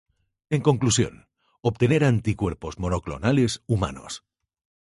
En conclusión, obtener anticuerpos monoclonales humanos.